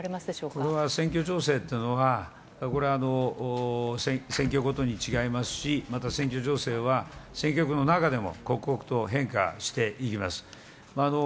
これは選挙情勢っていうのは、これは選挙ごとに違いますし、また選挙情勢は、選挙区の中でも刻々と変化していきます。